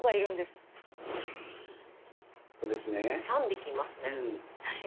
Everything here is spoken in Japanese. ３匹いますね。